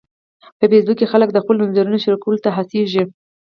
په فېسبوک کې خلک د خپلو نظریاتو شریکولو ته هڅیږي.